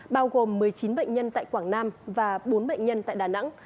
bao gồm một mươi chín bệnh nhân tại quảng nam và bốn bệnh nhân tại đà nẵng